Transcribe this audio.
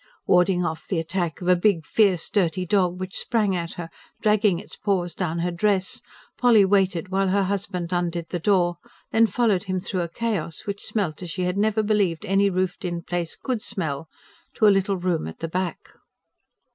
Warding off the attack of a big, fierce, dirty dog, which sprang at her, dragging its paws down her dress, Polly waited while her husband undid the door, then followed him through a chaos, which smelt as she had never believed any roofed in place could smell, to a little room at the back.